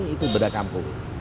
itu bedah kampung